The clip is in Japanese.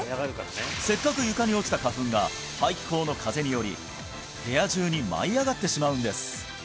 せっかく床に落ちた花粉が排気口の風により部屋中に舞い上がってしまうんです